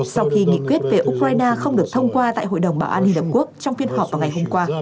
sau khi nghị quyết về ukraine không được thông qua tại hội đồng bảo an liên hợp quốc trong phiên họp vào ngày hôm qua